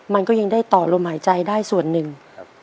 มันก็ยังได้ต่อลมหายใจได้ส่วนหนึ่ง